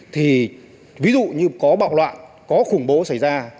thì ví dụ như có bạo loạn có khủng bố xảy ra